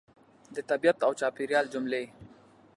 د طبیعت او چاپېریال جملې